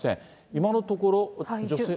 今のところ、女性。